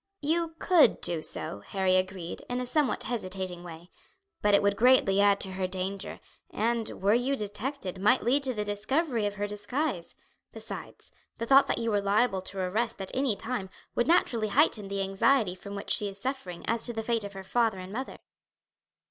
"You could do so," Harry agreed, in a somewhat hesitating way, "but it would greatly add to her danger, and, were you detected, might lead to the discovery of her disguise. Besides, the thought that you were liable to arrest at any time would naturally heighten the anxiety from which she is suffering as to the fate of her father and mother."